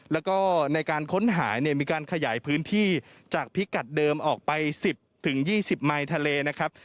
แล้วก็ในการค้นหาเนี่ยมีการขยายพื้นที่จากพิกัดเดิมออกไป๑๐๒๐ไมค์ทะเลนะครับ